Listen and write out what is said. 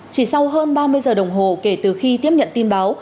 chỉ sau hơn ba mươi giờ đồng hồ kể từ khi tiếp nhận tin báo